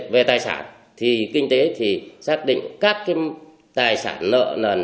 về tài sản thì kinh tế thì xác định các cái tài sản nợ nần